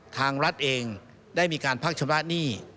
ทางรัฐเองได้มีการพักชำระหนี้